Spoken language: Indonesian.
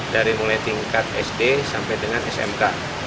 dari mulai tingkat sd sampai dengan smk